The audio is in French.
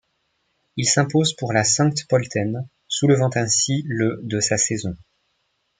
Il s'impose pour la à Sankt Pölten, soulevant ainsi le de sa saison.